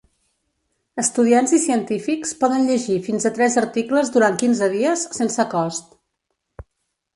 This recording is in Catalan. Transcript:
Estudiants i científics poden llegir fins a tres articles durant quinze dies, sense cost.